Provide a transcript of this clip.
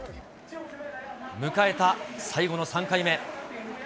迎えた最後の３回目。